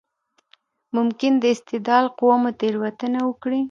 ممکن د استدلال قوه مو تېروتنه وکړي.